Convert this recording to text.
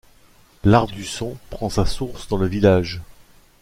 L'Ardusson prend sa source dans le village.